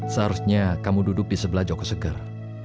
seharusnya kamu duduk di sebelah joko segar